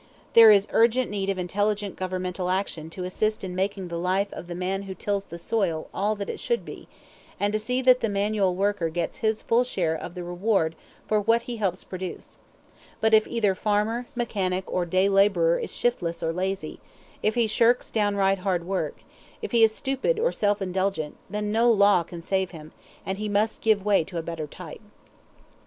There is urgent need of intelligent governmental action to assist in making the life of the man who tills the soil all that it should be, and to see that the manual worker gets his full share of the reward for what he helps produce; but if either farmer, mechanic, or day laborer is shiftless or lazy, if he shirks downright hard work, if he is stupid or self indulgent, then no law can save him, and he must give way to a better type.